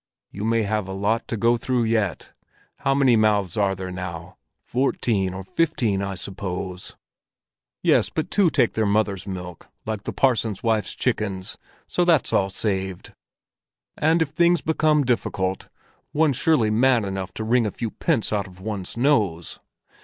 "You may have a lot to go through yet. How many mouths are there now? Fourteen or fifteen, I suppose?" "Yes; but two take their mother's milk, like the parson's wife's chickens; so that's all saved. And if things became difficult, one's surely man enough to wring a few pence out of one's nose?"